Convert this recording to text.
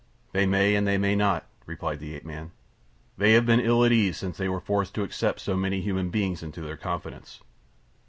"They may and they may not," replied the ape man. "They have been ill at ease since they were forced to accept so many human beings into their confidence.